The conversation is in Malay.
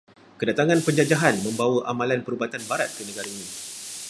Kedatangan penjajahan membawa amalan perubatan barat ke negara ini.